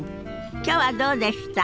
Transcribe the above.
きょうはどうでした？